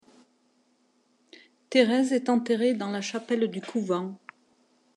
Thérèse est enterrée dans la chapelle du couvent.